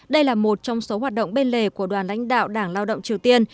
đây là một trong số hoạt động bên lề của đoàn lãnh đạo đảng lao động triều tiên